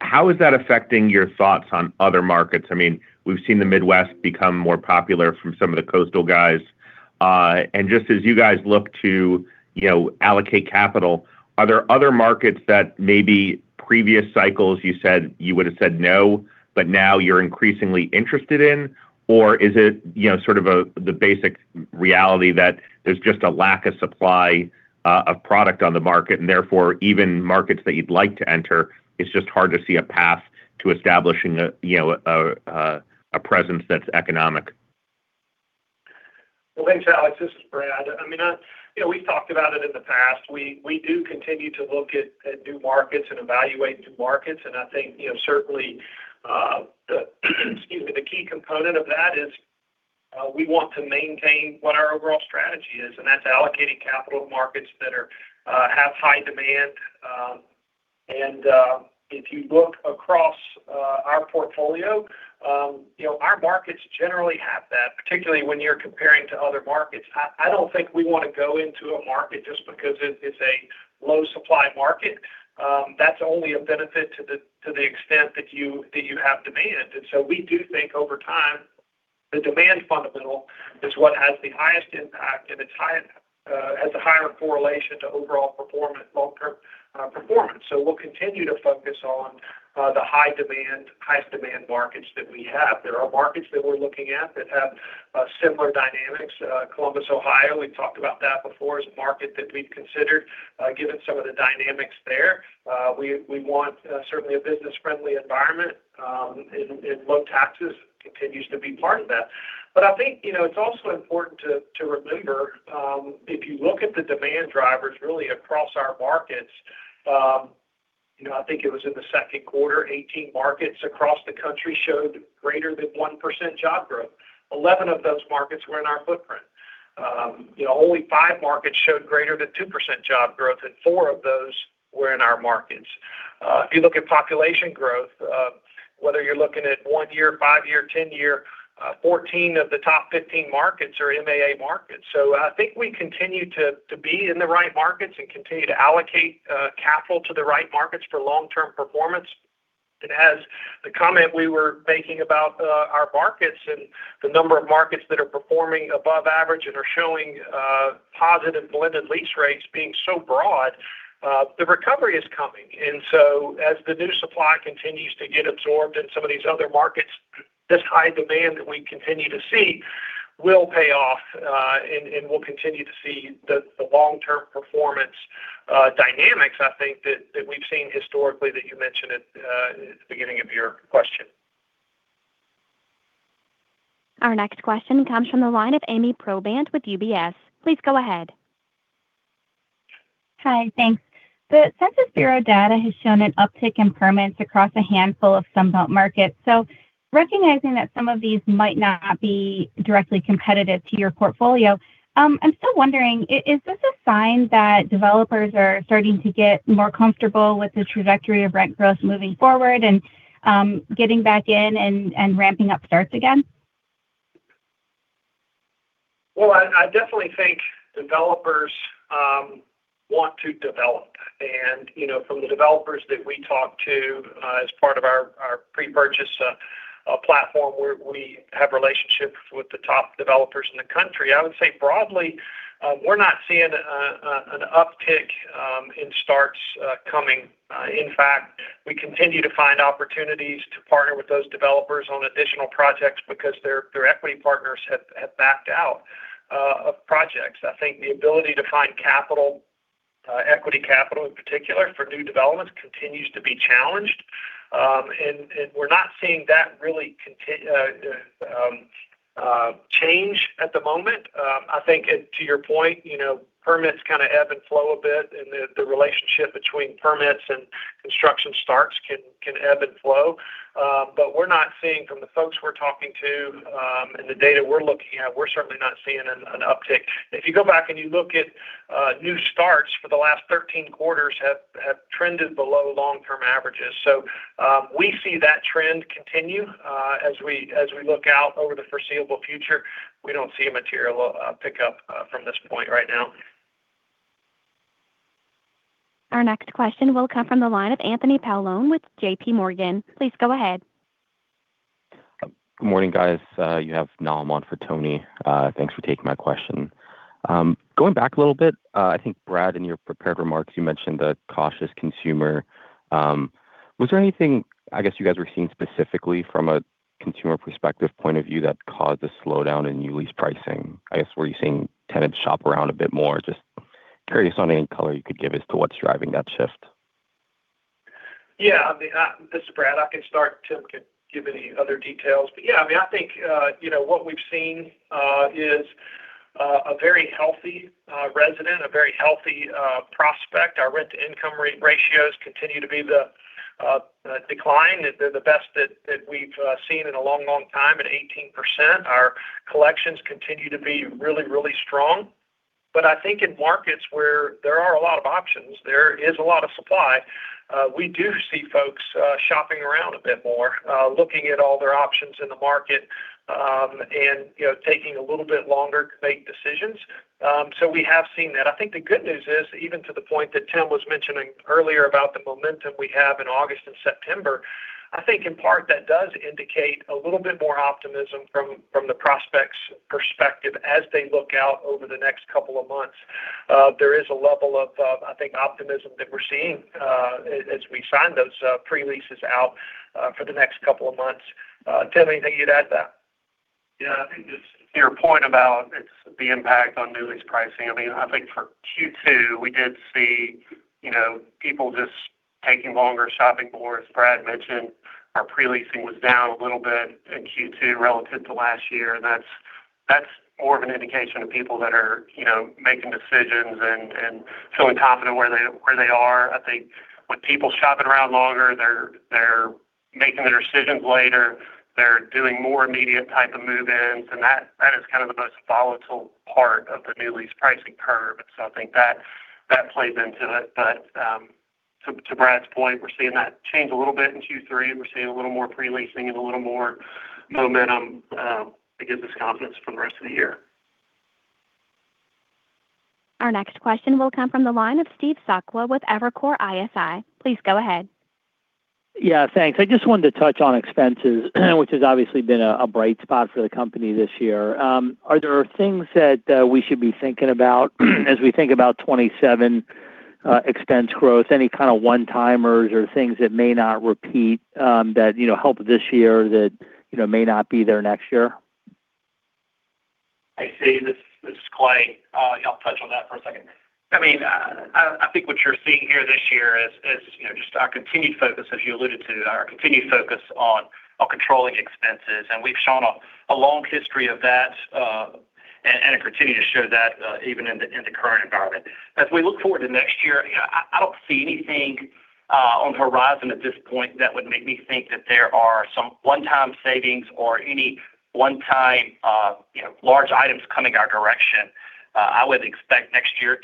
how is that affecting your thoughts on other markets? We've seen the Midwest become more popular from some of the coastal guys. Just as you guys look to allocate capital, are there other markets that maybe previous cycles you would've said no, but now you're increasingly interested in? Or is it sort of the basic reality that there's just a lack of supply of product on the market, and therefore, even markets that you'd like to enter, it's just hard to see a path to establishing a presence that's economic? Well, thanks, Alex. This is Brad. We've talked about it in the past. We do continue to look at new markets and evaluate new markets. I think certainly, excuse me, the key component of that is we want to maintain what our overall strategy is, and that's allocating capital markets that have high demand. If you look across our portfolio, our markets generally have that, particularly when you're comparing to other markets. I don't think we want to go into a market just because it's a low supply market. That's only a benefit to the extent that you have demand. We do think over time, the demand fundamental is what has the highest impact, and it has a higher correlation to overall performance, long-term performance. We'll continue to focus on the highest demand markets that we have. There are markets that we're looking at that have similar dynamics. Columbus, Ohio, we've talked about that before as a market that we've considered given some of the dynamics there. We want certainly a business-friendly environment, and low taxes continues to be part of that. I think it's also important to remember, if you look at the demand drivers really across our markets, I think it was in the second quarter, 18 markets across the country showed greater than 1% job growth. 11 of those markets were in our footprint. Only five markets showed greater than 2% job growth, and four of those were in our markets. If you look at population growth, whether you're looking at one year, five year, 10 year, 14 of the top 15 markets are MAA markets. I think we continue to be in the right markets and continue to allocate capital to the right markets for long-term performance. As the comment we were making about our markets and the number of markets that are performing above average and are showing positive blended lease rates being so broad, the recovery is coming. As the new supply continues to get absorbed in some of these other markets, this high demand that we continue to see will pay off, and we'll continue to see the long-term performance dynamics, I think that we've seen historically that you mentioned at the beginning of your question. Our next question comes from the line of Ami Probandt with UBS. Please go ahead. Hi, thanks. The U.S. Census Bureau data has shown an uptick in permits across a handful of Sun Belt markets. Recognizing that some of these might not be directly competitive to your portfolio, I'm still wondering, is this a sign that developers are starting to get more comfortable with the trajectory of rent growth moving forward and getting back in and ramping up starts again? Well, I definitely think developers want to develop. From the developers that we talk to as part of our pre-purchase platform, where we have relationships with the top developers in the country, I would say broadly, we're not seeing an uptick in starts coming. In fact, we continue to find opportunities to partner with those developers on additional projects because their equity partners have backed out of projects. I think the ability to find capital, equity capital in particular for new developments continues to be challenged. We're not seeing that really change at the moment. I think to your point, permits kind of ebb and flow a bit, and the relationship between permits and construction starts can ebb and flow. We're not seeing from the folks we're talking to, and the data we're looking at, we're certainly not seeing an uptick. If you go back and you look at new starts for the last 13 quarters have trended below long-term averages. We see that trend continue as we look out over the foreseeable future. We don't see a material pickup from this point right now. Our next question will come from the line of Anthony Paolone with JPMorgan. Please go ahead. Good morning, guys. I'm on for Tony. Thanks for taking my question. Going back a little bit, I think Brad, in your prepared remarks, you mentioned the cautious consumer. Was there anything, I guess you guys were seeing specifically from a consumer perspective point of view that caused a slowdown in new lease pricing? I guess, were you seeing tenants shop around a bit more? Just curious on any color you could give as to what's driving that shift. This is Brad. I can start. Tim can give any other details. I think what we've seen is a very healthy resident, a very healthy prospect. Our rent-to-income ratios continue to be the decline. They're the best that we've seen in a long, long time at 18%. Our collections continue to be really strong. I think in markets where there are a lot of options, there is a lot of supply. We do see folks shopping around a bit more, looking at all their options in the market, and taking a little bit longer to make decisions. We have seen that. I think the good news is, even to the point that Tim was mentioning earlier about the momentum we have in August and September, I think in part that does indicate a little bit more optimism from the prospect's perspective as they look out over the next couple of months. There is a level of, I think, optimism that we're seeing as we sign those pre-leases out for the next couple of months. Tim, anything you'd add to that? I think just to your point about the impact on new lease pricing. I think for Q2, we did see people just taking longer, shopping more. As Brad mentioned, our pre-leasing was down a little bit in Q2 relative to last year. That's more of an indication of people that are making decisions and feeling confident where they are. I think with people shopping around longer, they're making their decisions later. They're doing more immediate type of move-ins, and that is kind of the most volatile part of the new lease pricing curve. I think that plays into it. To Brad's point, we're seeing that change a little bit in Q3, and we're seeing a little more pre-leasing and a little more momentum, I guess, this confidence for the rest of the year. Our next question will come from the line of Steve Sakwa with Evercore ISI. Please go ahead. Yeah, thanks. I just wanted to touch on expenses, which has obviously been a bright spot for the company this year. Are there things that we should be thinking about as we think about 2027 expense growth, any kind of one-timers or things that may not repeat that helped this year that may not be there next year? I see. This is Clay. I'll touch on that for a second. I think what you're seeing here this year is just our continued focus, as you alluded to, our continued focus on controlling expenses. We've shown a long history of that, and it continued to show that even in the current environment. As we look forward to next year, I don't see anything on the horizon at this point that would make me think that there are some one-time savings or any one-time large items coming our direction. I would expect next year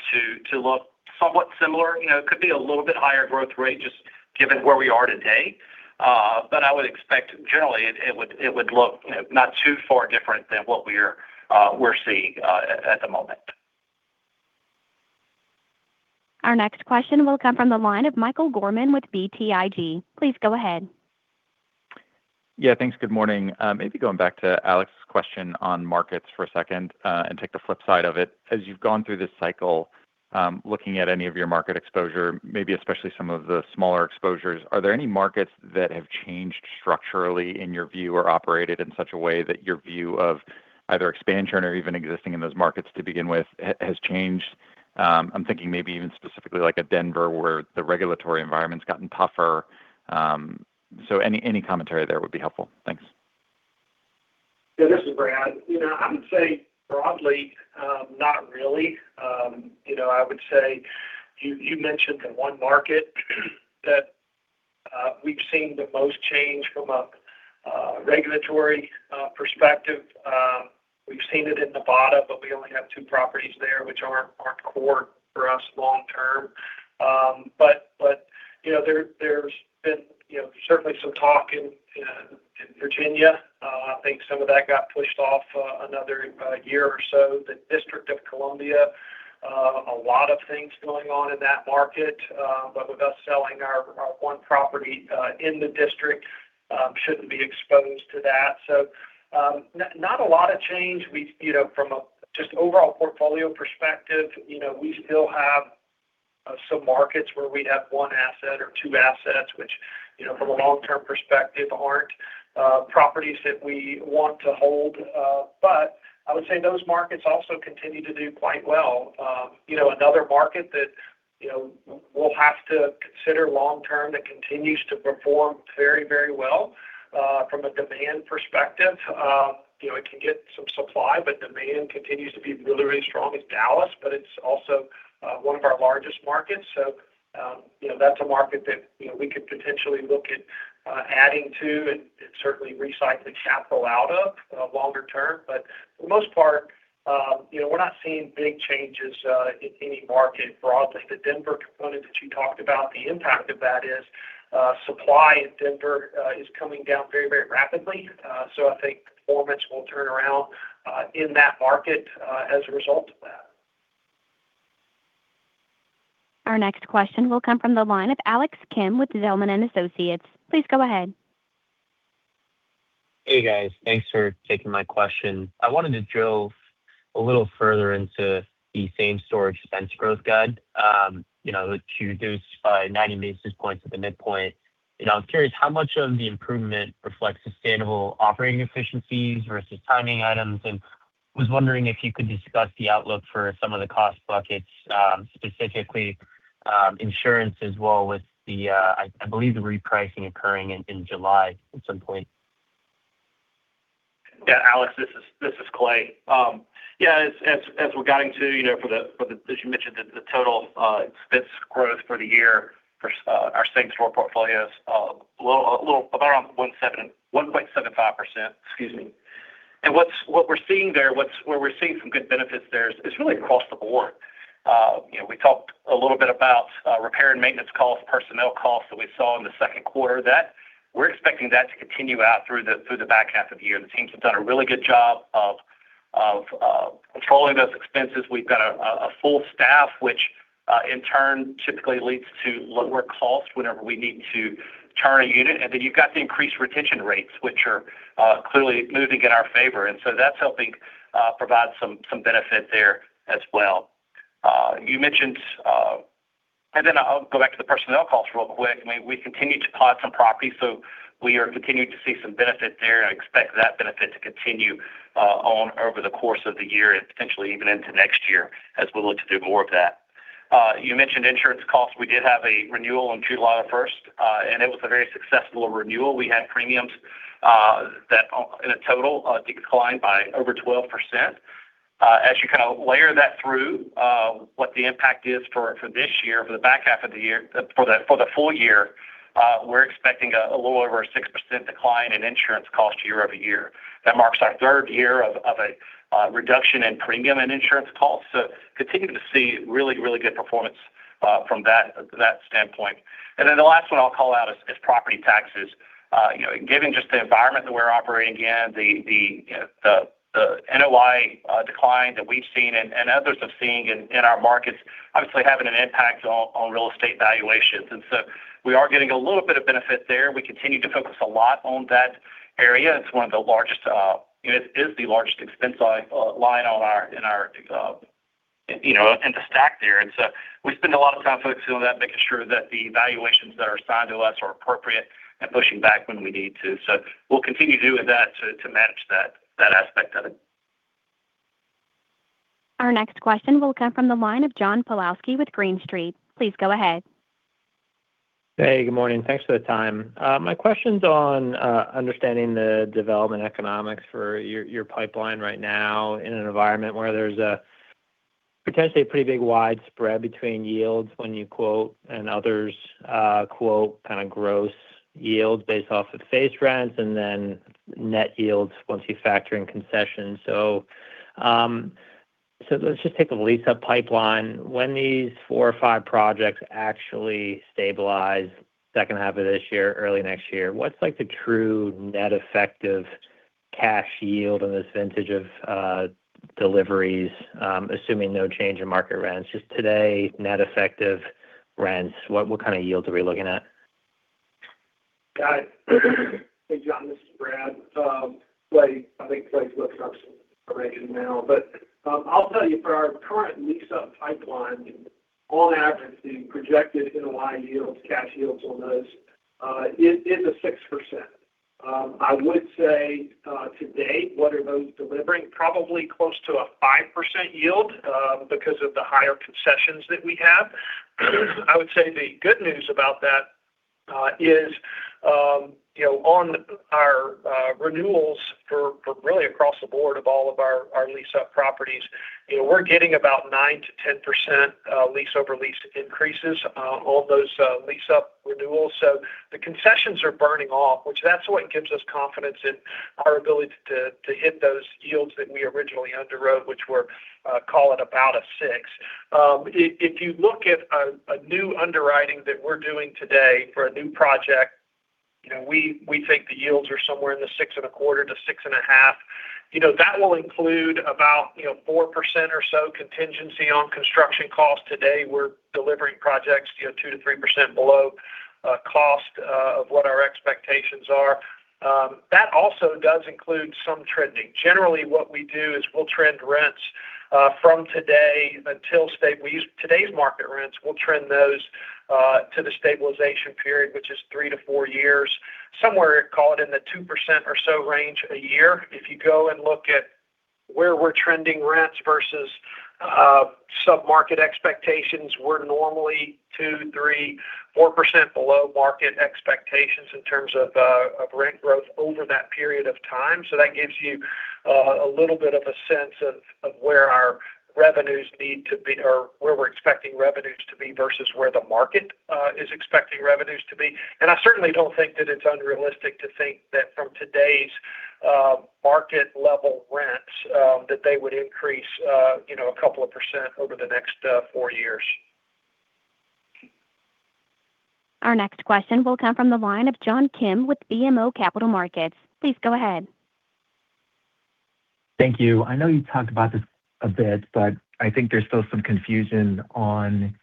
to look somewhat similar. It could be a little bit higher growth rate just given where we are today. I would expect generally it would look not too far different than what we're seeing at the moment. Our next question will come from the line of Michael Gorman with BTIG. Please go ahead. Thanks. Good morning. Maybe going back to Alex's question on markets for a second, take the flip side of it. As you've gone through this cycle, looking at any of your market exposure, maybe especially some of the smaller exposures, are there any markets that have changed structurally in your view or operated in such a way that your view of either expansion or even existing in those markets to begin with has changed? I'm thinking maybe even specifically like a Denver where the regulatory environment's gotten tougher. Any commentary there would be helpful. Thanks. This is Brad. I would say broadly, not really. I would say you mentioned the one market that we've seen the most change from a regulatory perspective. We've seen it in Nevada, we only have two properties there, which aren't core for us long term. There's been certainly some talk in Virginia. I think some of that got pushed off another year or so. The District of Columbia, a lot of things going on in that market. With us selling our one property in the District, shouldn't be exposed to that. Not a lot of change from a just overall portfolio perspective. We still have some markets where we'd have one asset or two assets, which from a long-term perspective, aren't properties that we want to hold. I would say those markets also continue to do quite well. Another market that we'll have to consider long term that continues to perform very well from a demand perspective. It can get some supply, demand continues to be really strong is Dallas, it's also one of our largest markets. That's a market that we could potentially look at adding to and certainly recycling capital out of longer term. For the most part, we're not seeing big changes in any market broadly. The Denver component that you talked about, the impact of that is supply in Denver is coming down very rapidly. I think performance will turn around in that market as a result of that. Our next question will come from the line of Alex Kim with Zelman & Associates. Please go ahead. Hey, guys. Thanks for taking my question. I wanted to drill a little further into the same store expense growth guide to reduce by 90 basis points at the midpoint. I'm curious how much of the improvement reflects sustainable operating efficiencies versus timing items, and was wondering if you could discuss the outlook for some of the cost buckets, specifically insurance as well with the, I believe the repricing occurring in July at some point. Alex, this is Clay. As we're guiding to for the, as you mentioned, the total expense growth for the year for our same store portfolio is a little around 1.75%. Excuse me. What we're seeing there, where we're seeing some good benefits there is really across the board. We talked a little bit about repair and maintenance costs, personnel costs that we saw in the second quarter, that we're expecting that to continue out through the back half of the year. The teams have done a really good job of controlling those expenses. We've got a full staff, which in turn typically leads to lower costs whenever we need to turn a unit. You've got the increased retention rates, which are clearly moving in our favor. That's helping provide some benefit there as well. I'll go back to the personnel costs real quick. We continue to pop some properties, so we are continuing to see some benefit there, and I expect that benefit to continue on over the course of the year and potentially even into next year as we look to do more of that. You mentioned insurance costs. We did have a renewal on July the 1st. It was a very successful renewal. We had premiums that in a total declined by over 12%. As you kind of layer that through what the impact is for this year, for the back half of the year, for the full year, we're expecting a little over a 6% decline in insurance costs year-over-year. That marks our third year of a reduction in premium and insurance costs. Continuing to see really good performance from that standpoint. The last one I'll call out is property taxes. Given just the environment that we're operating in, the NOI decline that we've seen and others have seen in our markets obviously having an impact on real estate valuations. We are getting a little bit of benefit there. We continue to focus a lot on that area. It is the largest expense line in our stack there. We spend a lot of time focusing on that, making sure that the valuations that are assigned to us are appropriate and pushing back when we need to. We'll continue doing that to manage that aspect of it. Our next question will come from the line of John Pawlowski with Green Street. Please go ahead. Hey, good morning. Thanks for the time. My question's on understanding the development economics for your pipeline right now in an environment where there's a potentially pretty big widespread between yields when you quote and others quote kind of gross yields based off of base rents and then net yields once you factor in concessions. Let's just take the lease-up pipeline. When these four or five projects actually stabilize second half of this year, early next year, what's like the true net effective cash yield on this vintage of deliveries, assuming no change in market rents? Just today, net effective rents, what kind of yields are we looking at? Got it. Hey, John, this is Brad. I think Clay's looking up some information now. I'll tell you, for our current lease-up pipeline, on average, the projected NOI yields, cash yields on those is a 6%. I would say today, what are those delivering? Probably close to a 5% yield because of the higher concessions that we have. I would say the good news about that is on our renewals for really across the board of all of our lease-up properties, we're getting about 9%-10% lease over lease increases on all those lease-up renewals. The concessions are burning off, which that's what gives us confidence in our ability to hit those yields that we originally underwrote, which were, call it about a 6%. If you look at a new underwriting that we're doing today for a new project, we think the yields are somewhere in the 6.25%-6.5%. That will include about 4% or so contingency on construction costs. Today, we're delivering projects 2%-3% below cost of what our expectations are. That also does include some trending. Generally, what we do is we'll trend rents from today until we use today's market rents. We'll trend those to the stabilization period, which is three to four years, somewhere, call it in the 2% or so range a year. If you go and look at where we're trending rents versus sub-market expectations, we're normally 2%, 3%, 4% below market expectations in terms of rent growth over that period of time. That gives you a little bit of a sense of where our revenues need to be or where we're expecting revenues to be versus where the market is expecting revenues to be. I certainly don't think that it's unrealistic to think that from today's market level rents, that they would increase a couple of percent over the next four years. Our next question will come from the line of John Kim with BMO Capital Markets. Please go ahead. Thank you. I know you talked about this a bit, but I think there's still some confusion on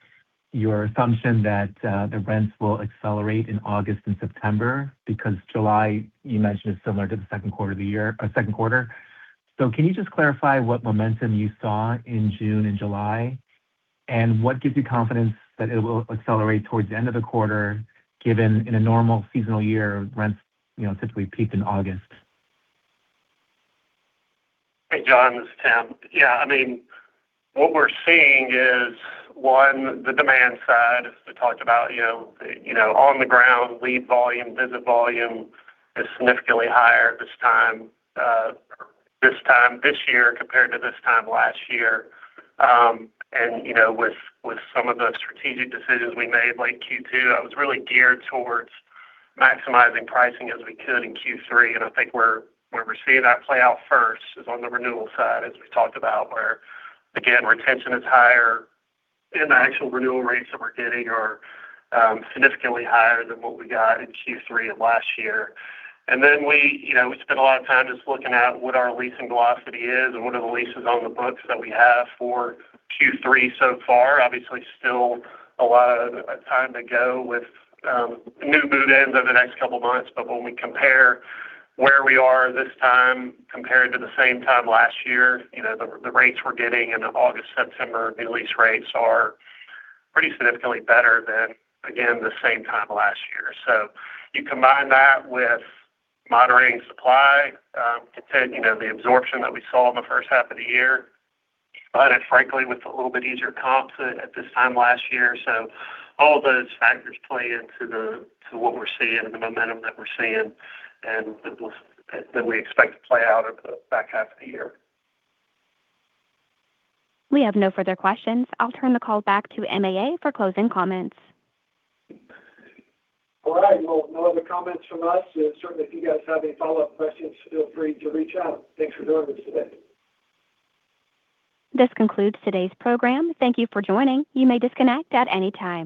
your assumption that the rents will accelerate in August and September because July, you mentioned, is similar to the second quarter. Can you just clarify what momentum you saw in June and July, and what gives you confidence that it will accelerate towards the end of the quarter, given in a normal seasonal year, rents typically peak in August? Hey, John, this is Tim. Yeah. What we're seeing is, one, the demand side, as we talked about, on the ground, lead volume, visit volume is significantly higher this year compared to this time last year. With some of the strategic decisions we made late Q2, that was really geared towards maximizing pricing as we could in Q3. I think where we're seeing that play out first is on the renewal side, as we talked about, where again, retention is higher, and the actual renewal rates that we're getting are significantly higher than what we got in Q3 of last year. Then we spent a lot of time just looking at what our leasing velocity is and what are the leases on the books that we have for Q3 so far. Obviously, still a lot of time to go with new move-ins over the next couple of months. When we compare where we are this time compared to the same time last year, the rates we're getting in the August, September new lease rates are pretty significantly better than, again, the same time last year. You combine that with moderating supply, the absorption that we saw in the first half of the year, but frankly, with a little bit easier comps at this time last year. All those factors play into what we're seeing and the momentum that we're seeing, and that we expect to play out over the back half of the year. We have no further questions. I'll turn the call back to MAA for closing comments. All right. Well, no other comments from us. Certainly, if you guys have any follow-up questions, feel free to reach out. Thanks for joining us today. This concludes today's program. Thank you for joining. You may disconnect at any time.